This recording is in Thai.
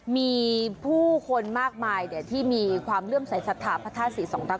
มีผู้คนมากมายที่มีความเรื่องใสสัตว์ภาษีสองรักษณ์